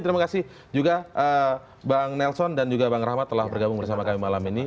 terima kasih juga bang nelson dan juga bang rahmat telah bergabung bersama kami malam ini